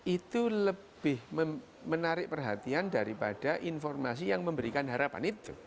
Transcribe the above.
itu lebih menarik perhatian daripada informasi yang memberikan harapan itu